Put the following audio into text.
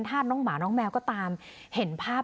น้องหมาน้องแมวก็ตามเห็นภาพ